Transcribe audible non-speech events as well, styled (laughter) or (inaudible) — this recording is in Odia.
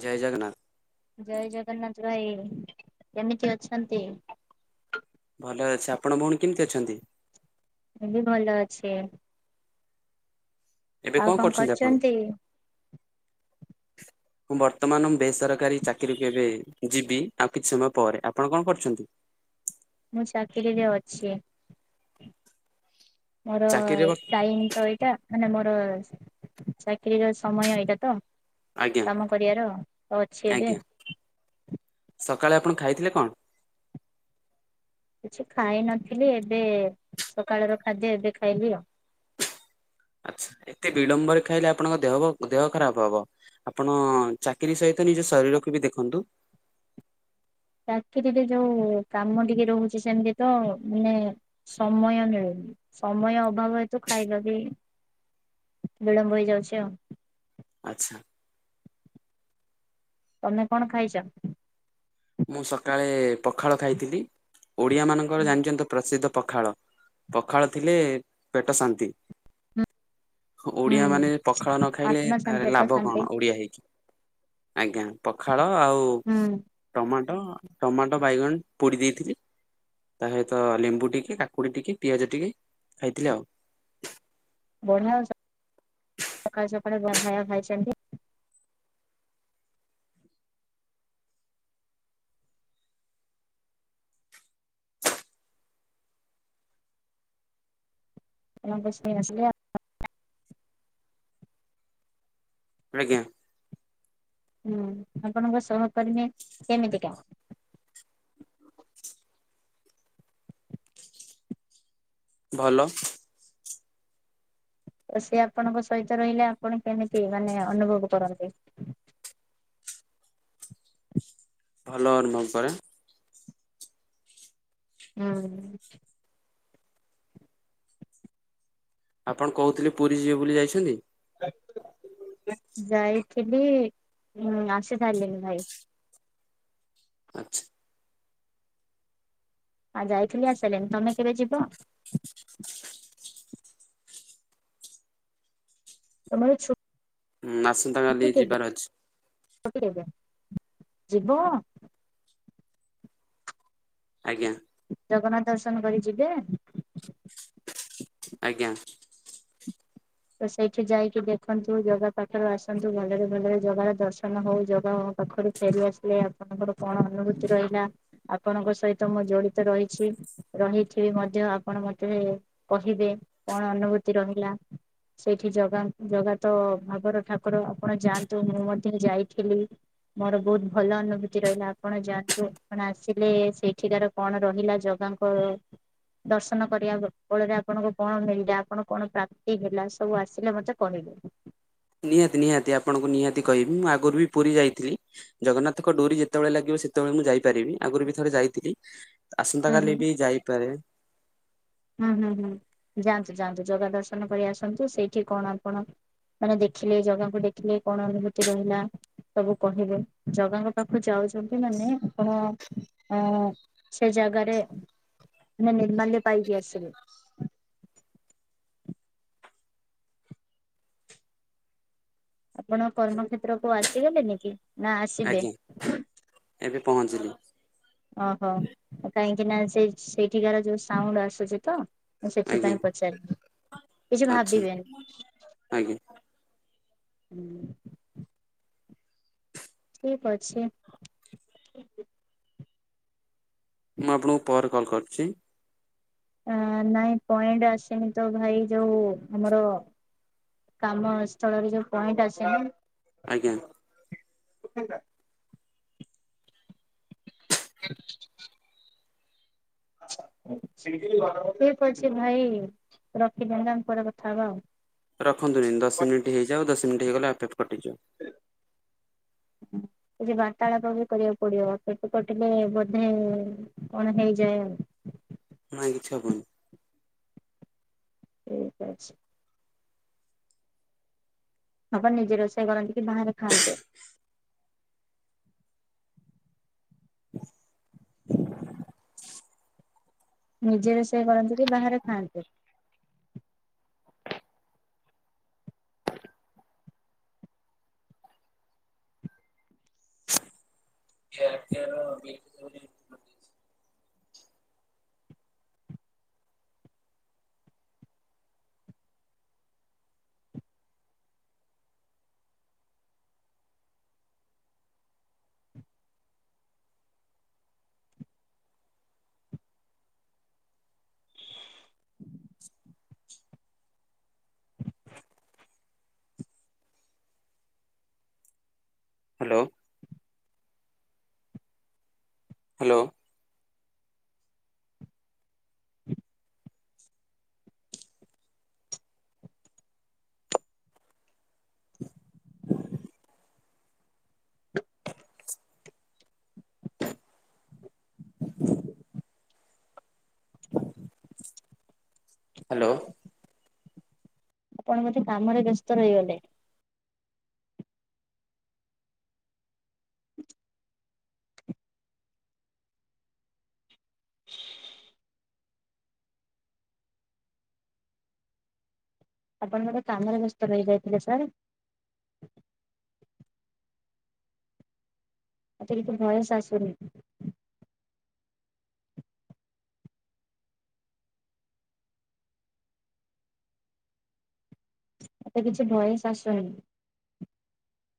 ଜୟ ଜଗନ୍ନାଥ ଜୟ ଜଗନ୍ନାଥ ଭାଇ। କେମିତି ଅଛନ୍ତି? ଭଲ ଅଛି ଆପଣ ଭଉଣୀ କେମିତି ଅଛନ୍ତି? ମୁଁବି ଭଲ ଅଛି। ଏବେ ଆଉ କଣ କରୁଚନ୍ତି ଆପଣ? କରୁଛନ୍ତି? ମୁଁ ବର୍ତ୍ତମାନ ବେସରକାରୀ ଚାକିରିକୁ କେବେ ଯିବି ଆଉ କିଛି ସମୟ ପରେ ଆପଣ କଣ କରୁଛନ୍ତି? (unintelligible) ମୁଁ ଚାକିରିରେ ଅଛି। ମୋର ଚାକିରିରେ ବ ଟାଇମ ତ ଏଇଟା ମାନେ ଚାକିରିର ସମୟ ଏଇଟା ତ ଆଜ୍ଞା କାମ କରିବାର ତ ଅଛି ଏବେ ଆଜ୍ଞା ସକାଳେ ଆପଣ ଖାଇଥିଲେ କଣ? କିଛି ଖାଇ ନଥିଲି, ଏବେ ସକାଳର ଖାଦ୍ୟ ଏବେ ଖାଇଲି ଆଉ। ଆଛା ଏତେ ବିଳମ୍ବରେ ଖାଇଲେ ଆପଣଙ୍କ ଦେହ ବା ଦେହ ଖରାପ ହବ। ଆପଣ ଚାକିରୀ ସହିତ ନିଜ ଶରୀରକୁ ବି ଦେଖନ୍ତୁ। ଚାକିରୀରେ ଯୋଉ କାମ ଟିକେ ରହୁଚି ସେମିତି ତ ମାନେ ସମୟ ମିଳୁନି। ସମୟ ଅଭାବ ହେତୁ ଖାଇବାବି (unintelligible) ବିଳମ୍ବ ହୋଇଇଯାଚି ଆଉ। ଆଚ୍ଛା। ତମେ କଣ ଖାଇଚ? ମୁଁ ସକାଳେ ପଖାଳ ଖାଇଥିଲି। ଓଡିଆ ମାନଙ୍କର ହୁଁ ଜାଣିଚନ୍ତି ତ ପ୍ରସିଦ୍ଧ। ପଖାଳ। ପଖାଳ ଥିଲେ ପେଟ ଶାନ୍ତି। ଓଡିଆ ମାନେ ପଖାଳ ନ ଖାଇଲେ ଆତ୍ମା ତ ଶାନ୍ତି ଆତ୍ମା ଲାଭ କଣ ଶାନ୍ତି। ଓଡିଆ ହେଇକି। ଆଜ୍ଞା ପଖାଳ ଆଉ ହୁଁ ଟମାଟୋ ଟମାଟୋ ବାଇଗଣ ପୋଡି ଦେଇଥିଲି ତା ସହିତ ଲେମ୍ବୁ ଟିକେ କାକୁଡି ଟିକେ ପିଆଜ ଟିକେ ଖାଇଥିଲି ଆଉ। ବଢିଆ ସକାଲୁ ସକାଳୁ ଯାହା ଖାଇବା ଖାଇଛନ୍ତି। (unintelligible) ଆଜ୍ଞା। ହୁଁ ଆପଣଙ୍କ ସହକର୍ମୀ କେମିତିକା? ଭଲ। ତ ସେ ଆପଣଙ୍କ ସହିତ ରହିଲେ ଆପଣ କେମିତି ମାନେ ଅନୁଭବ କରନ୍ତି? ଭଲ ଅନୁଭବ କରେ। ହୁଁ। ଆପଣ କହୁଥିଲେ ପୁରୀ ଯିବେ ବୋଲି ଯାଇଚନ୍ତି। ଯାଇଥିଲି ହଁ ଆସିସାରିଲିଣି ଭାଇ। ଆଚଛା। ଆଉ ଯାଇଥିଲି ଆସିସାଇଲିଣି। ତମେ କେବେ ଯିବ? ତମର ଛୁ ହୁଁ ଆସନ୍ତା କାଲି ଯିବାର ଅଛି। ବେ ଯିବ। ଆଜ୍ଞା। ଜଗନ୍ନାଥ ଦର୍ଶନ କରି ଯିବେ। ଆଜ୍ଞା। ତ ସେଇଠି ଯାଇକି ଦେଖନ୍ତୁ ଜଗା ପାଠରୁ ଆସନ୍ତୁ ଭଲରେ ଭଲରେ ଜଗାର ଦର୍ଶନ ହଉ ଜଗା ହଉ ପାଖରୁ ଫେରିଆସିଲେ ଆପଣଙ୍କର କଣ ଅନୁଭୂତି ରହିଲା ଆପଣଙ୍କ ସହିତ ମୁଁ ଜଡିତ ରହିଛି। ରହିଥିବ ମଧ୍ୟ ଆପଣ ମତେ କହିବେ କଣ ଅନୁଭୂତି ରହିଲା? ସେଇଠି ଜଗା ଜଗ ତ ଭାଗର ଠାକୁର ଆପଣ ଯାଆନ୍ତୁ ମୁଁ ମଧ୍ୟ ଯାଇଥିଲି। ମୋର ବହୁତ ଭଲ ଅନୁଭୂତି ରହିଲା ଆପଣ ଯାଆନ୍ତୁ ଆପଣ ଆସିଲେ ସେଇଠିକାର କଣ ରହିଲା ଜଗାଙ୍କ ଦର୍ଶନ କରିବା ବଳରେ ଆପଣଙ୍କୁ କଣ ମିଳିଲା ଆପଣ କଣ ପ୍ରା ତି ହେଲା ସବୁ ଆସିଲେ ମତେ କହିବେ। ନିହାତି ନିହାତି ଆପଣଙ୍କୁ ନିହାତି କହିବି ମୁଁ ଆଗରୁ ବି ପୁରୀ ଯାଇଥିଲି ଜଗନ୍ନାଥଙ୍କ ଡୋରି ଯେତେବେଳେ ଲାଗିବ ସେତେବେଳେ ମୁଁ ଯାଇପାରିବି ଆଗରୁ ବି ଥରେ ଯାଇଥିଲି। ଆସନ୍ତା ହୁଁ କାଲି ହୁଁ ବି ଯାଇପାରେ। ହୁଁ ହୁଁ ହୁଁ ଯାଆନ୍ତୁ ଯାଆନ୍ତୁ ଜଗା ଦର୍ଶନ କରି ଆସନ୍ତୁ ସେଇଠି କଣ ଆପଣ ମାନେ ଦେଖିଲେ ଜାଗାକୁ ଦେଖିଲେ କଣ ଅନୁଭୂତି ରହିଲା ସବୁ କହିବେ ଜଗାଙ୍କ ପାଖକୁ ଯାଉଛନ୍ତି ମାନେ ଆପଣ ଅ ସେ ଜାଗାରେ ମାନେ ନିର୍ମାଲ୍ୟ ପାଇକି ଆସିବେ। ଆପଣ କର୍ମକ୍ଷେତ୍ର କୁ ଆସିଗଲେନି କି? ନା ଆସିବେ ଆଜ୍ଞା ଏବେ ପହଞ୍ଚିଲି ଓହୋ ଆ କାଇଁ କି ନା ସେ ସେଇଠିକାର ଯୋଉ ସାଉଣ୍ଡ ଆସୁଛି ତ। ମୁଁ ଆଜ୍ଞା ସେଥିପାଇଁ ପଚାରିବି କିଛି ଆଚ୍ଛା ଭାବିବେନି। ଆଜ୍ଞା ହୁଁ। ଠିକ ଅଛି। ମୁଁ ଆପଣଙ୍କୁ ପରେ କଲ୍ କରିୁଛି। ନାଇଁ ପଏଣ୍ଟ ଆସନି ତ ଭାଇ ଯୋଉ ଆମର କାମ ସ୍ଥଳରେ ଯୋଉ ପଏଣ୍ଟ ଅସ ଆଜ୍ଞା। (unintelligible) (inaudible) (unintelligible) ଠିକ ଅଛି ଭାଇ ରଖିଦିଅନ୍ତୁ ଆମେ ପରେ କଥା ହବା ଆଉ। ରଖନ୍ତୁନି ଦଶିନିଟ ହେଇଯାଉ ଦଶ ମିନିଟ ହେଇଗଲେ ଆପେପ କଟିଯିବ। ହ। କିଛି ବାର୍ତ୍ତାଳାପ ବି କରିବାକୁ ପଡିବ ପେଟ କଟିଲେ ବୋଧେ କଣ ହେଇଯାଏ ଆଉ। ନାଇଁ କିଛି ହବନି। ଠିକ ଅଛି। ବାପଣ ନିଜେ ରୋଷେଇ କରନ୍ତି କି ବାହାରେ ଖାଆନ୍ତୁ। ନିଜେ ରୋଷେଇ କରନ୍ତିୁ କି ବାହାରେ ଖାଆନ୍ତି। (inaudible) ହ୍ୟାଲୋ। ହ୍ୟାଲୋ ହ୍ୟାଲୋ ଆପଣ ବୋଧେ କାମରେ ବ୍ୟସ୍ତ ରହିଗଲେ। ଆପଣ ଗୋଟେ କାମରେ ବ୍ୟସ୍ତ ରହିଯାଇଥିଲେ ସାର୍। ଅତିରିକ ବୟସ ଆସୁନି ମତେ କିଛି ଭୟସ ଆସୁନି